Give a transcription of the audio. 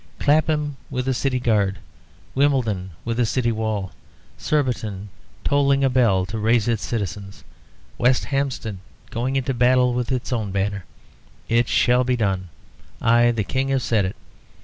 Clapham with a city guard. Wimbledon with a city wall. Surbiton tolling a bell to raise its citizens. West Hampstead going into battle with its own banner. It shall be done. I, the King, have said it."